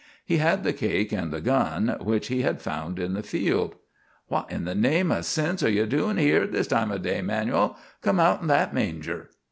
He had the cake and the gun, which he had found in the field. "What in the name o' sense are ye doin' here at this time o' day, 'Manuel? Come outen that manger."